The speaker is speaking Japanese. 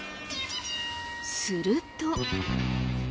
すると。